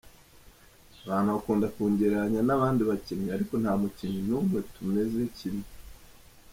Abantu bakunda nkungereranya n’abandi bakinnyi ariko nta mukinnyi n’umwe tumeze kimwe.